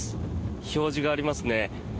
表示がありますね。